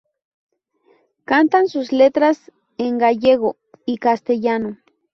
Cantan sus letras en gallego y castellano.